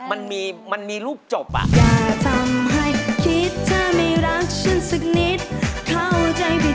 มันมีลูกจบอะ